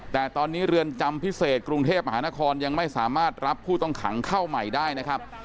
แต่ตอนนี้เรือนจำพิเศษกรุงเทพมหานครยังไม่สามารถรับผู้ต้องขังเข้าใหม่ได้นะครับ